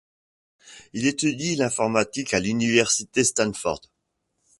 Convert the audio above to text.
Il étudie l'informatique à l'université Stanford.